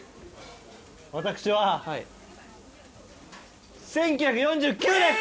私は１９４９です！